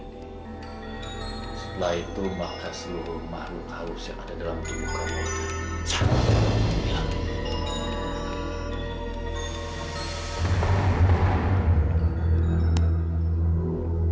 setelah itu makan seluruh makhluk harus yang ada dalam tubuh kamu